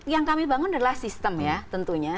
yang kami bangun adalah sistem ya tentunya